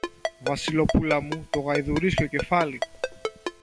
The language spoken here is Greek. Βασιλοπούλα μου, το γαϊδουρίσιο κεφάλι!